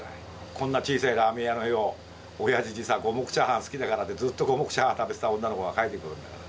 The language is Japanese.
こんな小さいラーメン屋のよ、おやじにさ、五目チャーハン好きだからって、ずっと、五目チャーハンを食べてくれた女の子が描いてくれるんだから。